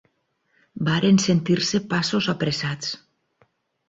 Varen sentir-se passos apressats